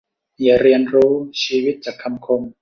อย่าเรียนรู้ชีวิตจากคำคม